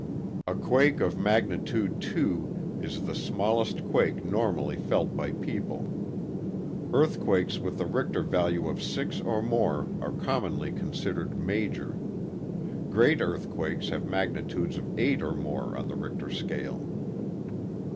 A quake of magnitude 2 is the smallest quake normally felt by people. Earthquakes with a Richter value of 6 or more are commonly considered major; great earthquakes have magnitudes of 8 or more on the Richter scale.